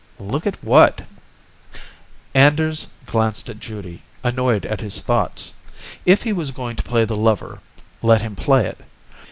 Look at what? Anders glanced at Judy, annoyed at his thoughts. If he was going to play the lover, let him play it.